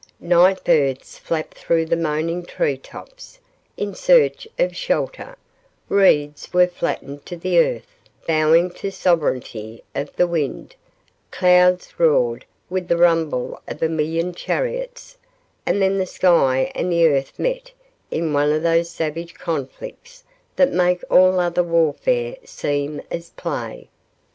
Night birds flapped through the moaning tree tops, in search of shelter; reeds were flattened to the earth, bowing to the sovereignty of the wind; clouds roared with the rumble of a million chariots, and then the sky and the earth met in one of those savage conflicts that make all other warfare seem as play.